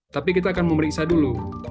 tapi kita akan memeriksa dulu